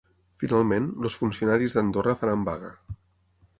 Finalment, els funcionaris d’Andorra faran vaga.